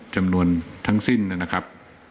จำนวนทั้งสิ้นนะครับ